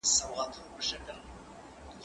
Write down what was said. هغه څوک چي ليک لولي پوهه اخلي!.